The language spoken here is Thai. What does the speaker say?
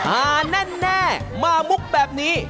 อ่าแน่มามุกแบบนี้